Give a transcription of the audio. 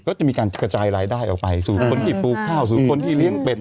ก็จะมีการกระจายรายได้ออกไปสู่คนที่ปลูกข้าวสู่คนที่เลี้ยงเป็ด